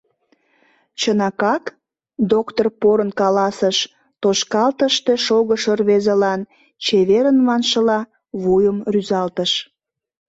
— Чынакак? — доктыр порын каласыш, тошкалтыште шогышо рвезылан чеверын маншыла вуйым рӱзалтыш.